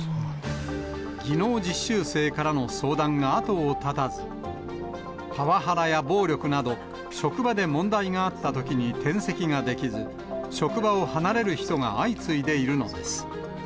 技能実習生からの相談が後を絶たず、パワハラや暴力など、職場で問題があったときに転籍ができず、職場を離れる人が相次いでいるのです。